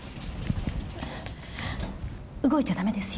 動いちゃダメですよ。